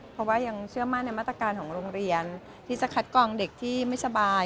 เพราะว่ายังเชื่อมั่นในมาตรการของโรงเรียนที่จะคัดกรองเด็กที่ไม่สบาย